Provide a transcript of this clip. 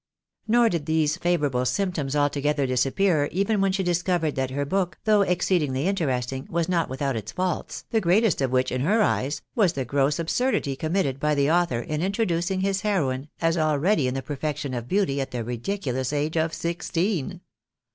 Kor did these favourable symptoms altogether disappear even when she discovered that her book, though exceedingly interesting, was not without its faults, the greatest of which, in her eyes, was the gross absurdity committed by the author in introducing his heroine, as already in the perfection of beauty at the ridiculous age of sixteen